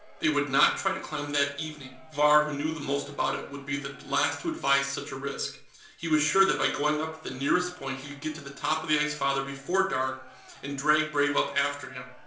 They would not try to climb that evening; Vahr, who knew the most about it, would be the last to advise such a risk. He was sure that by going up at the nearest point he could get to the top of the Ice Father before dark, and drag Brave up after him.